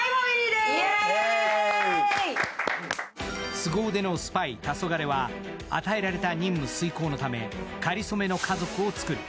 すご腕のスパイ、黄昏は与えられた任務遂行のため、かりそめの家族を作る。